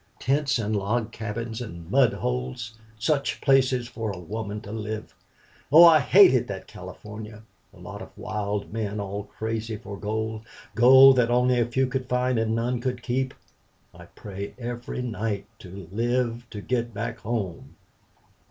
Tents and log cabins and mud holes! Such places for a woman to live. Oh, I hated that California! A lot of wild men, all crazy for gold. Gold that only a few could find and none could keep!... I pray every night to live to get back home."